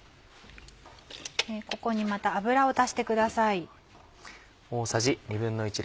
ここにまた油を足してください。